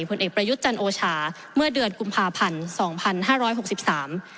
ผลเอกประยุทธ์จันโอชาเมื่อเดือนกุมภาพันธ์สองพันห้าร้อยหกสิบสาม